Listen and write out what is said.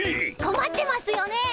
こまってますよね？